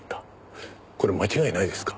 これ間違いないですか？